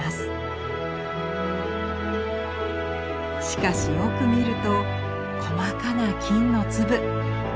しかしよく見ると細かな金の粒。